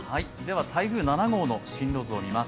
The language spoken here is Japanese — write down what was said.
台風７号の進路図を見ます。